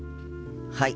はい。